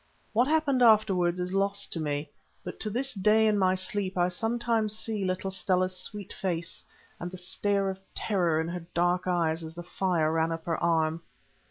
What happened afterwards is lost to me, but to this day in my sleep I sometimes see little Stella's sweet face and the stare of terror in her dark eyes as the fire ran up her arm.